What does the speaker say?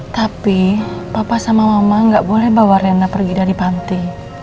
tapi papa sama mama gak boleh bawa rena pergi dari panti